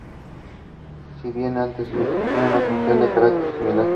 Si bien antes existió una fundación de carácter similar.